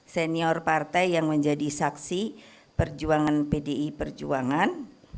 senior partai yang menjadi saksi perjuangan pdi perjuangan